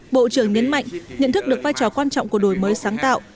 bộ trưởng nhấn mạnh nhận thức được vai trò quan trọng của đổi mới sáng tạo